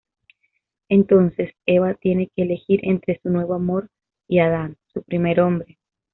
Entonces, Eva tiene que elegir entre su nuevo amor y Adán, su primer hombre.